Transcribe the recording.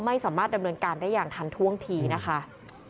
ไม่สามารถดำเนินการได้อย่างทันท่วงทีนะคะ